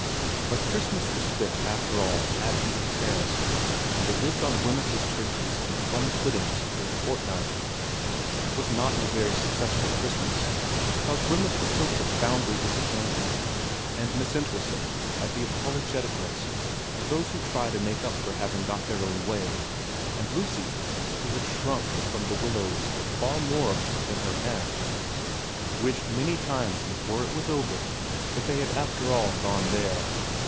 xn BUT Christmas was spent after all at Eaton Terrace, and they lived on Wemyss's turkeys and plum puddings for a fortnight. It was not a very successful Christmas, because Wemyss was so profoundly disappointed, and Miss Entwhistle had the apologeticness of those who try to make up for having got their own way, and Lucy, who had shrunk from The Willows far more than her aunt, wished many times before it was over that they had after all gone there.